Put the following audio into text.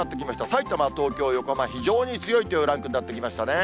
さいたま、東京、横浜、非常に強いというランクになってきましたね。